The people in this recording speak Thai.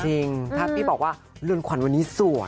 จริงถ้าพี่บอกว่าเรือนขวัญวันนี้สวย